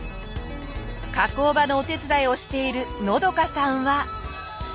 加工場のお手伝いをしている和さんは。